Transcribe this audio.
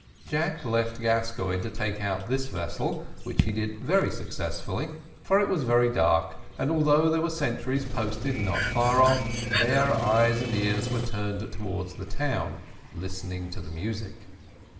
Jack left Gascoigne to take out this vessel, which he did very successfully, for it was very dark; and although there were sentries posted not far off, their eyes and ears were turned towards the town, listening to the music.